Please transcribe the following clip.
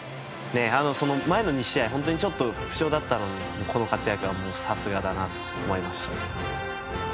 前の２試合、ちょっと不調だったのにこの活躍はさすがだなと思いました。